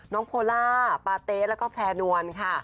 โพล่าปาเต๊ะแล้วก็แพร่นวลค่ะ